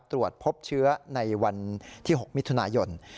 ตรวจพบเชื้อในวันที่๖มิถุนายน